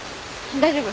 大丈夫。